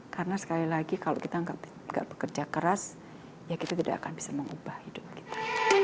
karena sekali lagi kalau kita tidak bekerja keras ya kita tidak akan bisa mengubah hidup kita